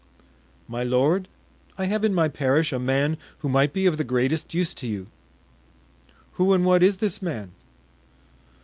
"My lord, I have in my parish a man who might be of the greatest use to you." "Who and what is this man?"